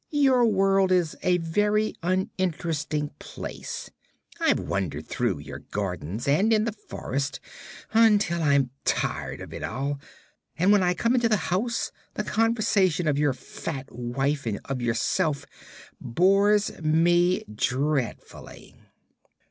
"Your world is a very uninteresting place. I've wandered through your gardens and in the forest until I'm tired of it all, and when I come into the house the conversation of your fat wife and of yourself bores me dreadfully."